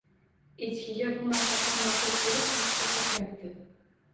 Echkiga bu maslahat ma’qul kelib, pastga sakrabdi